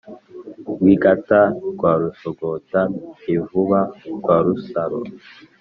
rwingata rwa rusogota mivuba rwa rusaro,